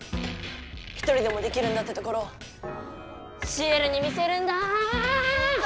一人でもできるんだってところシエルに見せるんだあ！